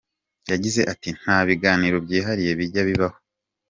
Yagize ati:” Nta biganiro byihariye bijya bibaho.